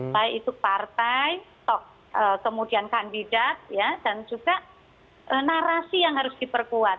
baik itu partai tok kemudian kandidat dan juga narasi yang harus diperkuat